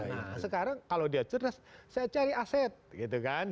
nah sekarang kalau dia cerdas saya cari aset gitu kan